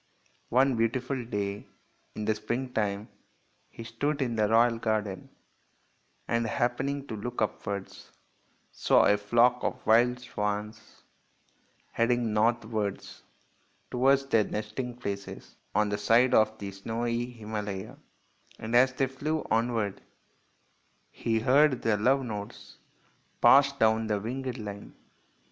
One beautiful day in the spring time he stood in the royal garden, and happening to look upwards saw a flock of wild swans heading northwards to their nesting places on the side of the snowy Hima laya, and as they flew onward he heard the love notes pass down the winged line.